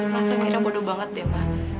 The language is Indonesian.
masa mira bodoh banget deh ma